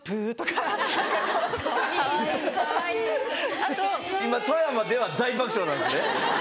・かわいい・今富山では大爆笑なんですね。